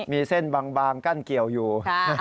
มีเส้นบางกั้นเกี่ยวอยู่